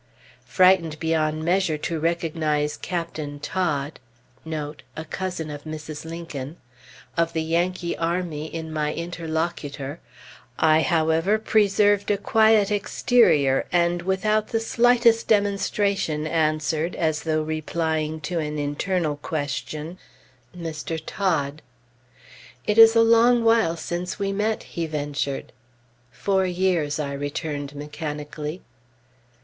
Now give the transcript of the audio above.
Frightened beyond measure to recognize Captain Todd of the Yankee army in my interlocutor, I, however, preserved a quiet exterior, and without the slightest demonstration answered, as though replying to an internal question. "Mr. Todd." "It is a long while since we met," he ventured. "Four years," I returned mechanically.